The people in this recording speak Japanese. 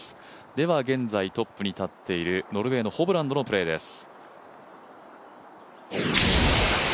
では現在トップに立っているノルウェーのホブランドのプレーです。